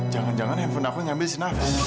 jangan jangan handphone aku nyambil si nafa